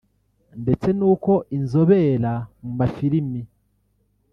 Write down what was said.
ndetse n’uko inzobera mu mafilimi